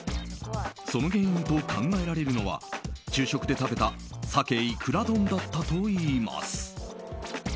その原因と考えられるのは昼食で食べた鮭イクラ丼だったといいます。